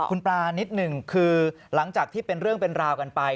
คุณปลานิดหนึ่งคือหลังจากที่เป็นเรื่องเป็นราวกันไป